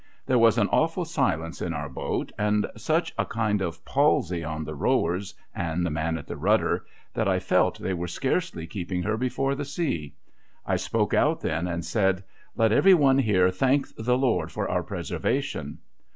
There was an awful silence in our boat, and such a kind of palsy on the rowers and the man at the rudder, that I felt they were scarcely keeping her before the sea. I spoke out then, and said, ' Let every one here thank the Lord for our preser vation